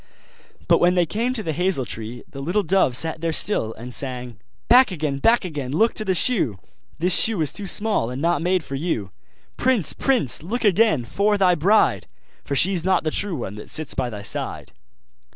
But when they came to the hazel tree the little dove sat there still, and sang: 'Back again! back again! look to the shoe! The shoe is too small, and not made for you! Prince! prince! look again for thy bride, For she's not the true one that sits by thy side.